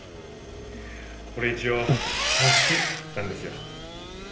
これ一応たすきなんですよ。